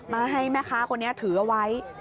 มาให้แม่ค้าคนนี้ถือเอาไว้